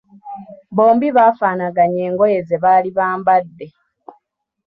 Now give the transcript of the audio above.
Bombi bafaanaganya engoye ze baali bambadde.